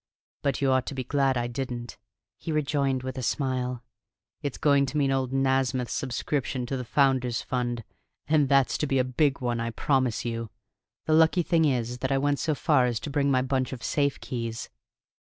"But you ought to be glad I didn't," he rejoined with a smile. "It's going to mean old Nasmyth's subscription to the Founder's Fund, and that's to be a big one, I promise you! The lucky thing is that I went so far as to bring my bunch of safekeys.